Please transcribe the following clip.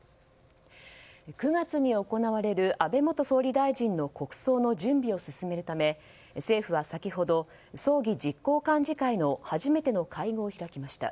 ９月に行われる安倍元総理大臣の国葬の準備を進めるため政府は先ほど葬儀実行幹事会の初めての会合を開きました。